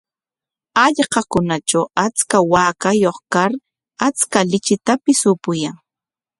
Hallqakunatraw achka waakayuq kar achka lichitapis upuyan.